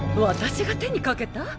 私が手にかけた？